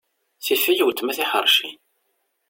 Tifɣ-iyi weltma tiḥerci.